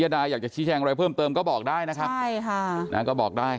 ยดายอยากจะชี้แชงอะไรเพิ่มเติมก็บอกได้นะครับก็บอกได้